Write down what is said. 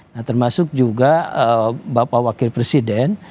nah termasuk juga bapak wakil presiden